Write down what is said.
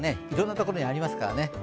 いろんなところにありますからね。